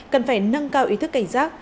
cần phải nâng cao ý thức cảnh giác